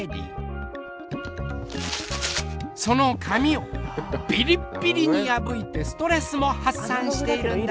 その紙をビリッビリに破いてストレスも発散しているんだそうです。